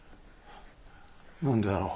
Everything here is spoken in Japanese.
何でだろう。